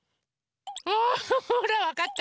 ほらわかった？